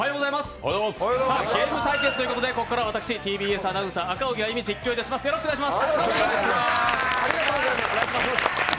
ゲーム対決ということでここからは私、ＴＢＳアナウンサー・赤荻歩が実況していきます。